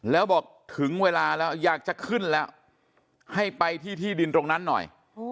แล้วบอกถึงเวลาแล้วอยากจะขึ้นแล้วให้ไปที่ที่ดินตรงนั้นหน่อย